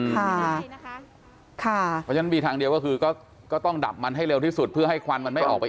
มันก็จะมีผลตลอดในเรื่องของการอ่าเกิดมาแลก